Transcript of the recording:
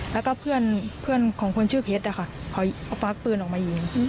แล้วก็เพื่อนของคนชื่อเพชรนะคะเขาควักปืนออกมายิง